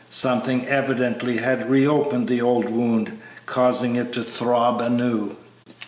Something evidently had reopened the old wound, causing it to throb anew.